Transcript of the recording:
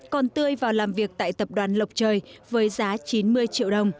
còn tươi vào làm việc tại tập đoàn lộc trời với giá trị